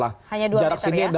hanya dua meter ya